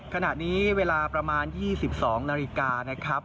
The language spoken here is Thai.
ขณะนี้เวลาประมาณ๒๒นาฬิกานะครับ